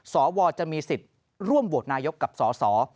สวจะมีสิทธิ์ร่วมโหวตนายกกับสส